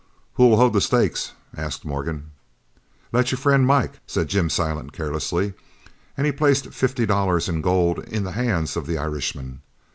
"Who'll hold the stakes?" asked Morgan. "Let your friend Mike," said Jim Silent carelessly, and he placed fifty dollars in gold in the hands of the Irishman.